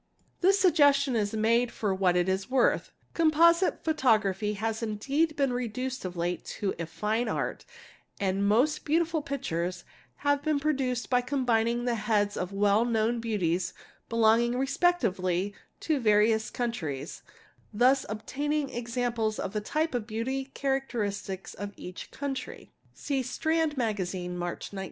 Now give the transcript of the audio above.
This suggestion is made for what it is worth. Composite photography has indeed been reduced of late to a fine art and | most beautiful pictures have been produced by combining the heads o well known beauties belonging respectively to various countries thus ob taining examples of the type of beauty characteristic of each country | (See Strand Magazime, March, 1906.)